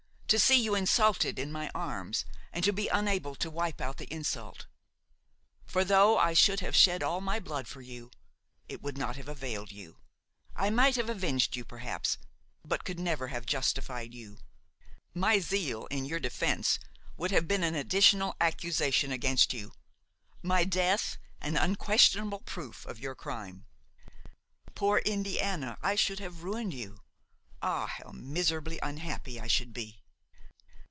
to see you insulted in my arms and to be unable to wipe out the insult! for, though I should have shed all my blood for you, it would not have availed you. I might have avenged you, perhaps, but could never have justified you. My zeal in your defence would have been an additional accusation against you; my death an unquestionable proof of your crime. Poor Indiana! I should have ruined you! Ah! how miserably unhappy I should be!